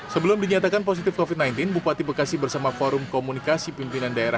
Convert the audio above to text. sebelum dinyatakan positif covid sembilan belas bupati bekasi bersama forum komunikasi pimpinan daerah